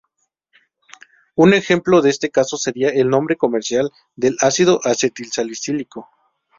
Un ejemplo de este caso sería el nombre comercial del ácido acetilsalicílico.